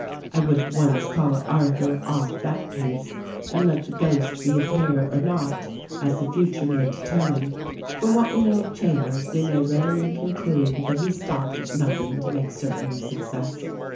I would at once call Arthur off that case and let the ghost re THE RECORDING ANGEL 287 appear or not, as the future may determine. From what we know of Chambers we may readily conclude that he stopped at nothing to make certain of success.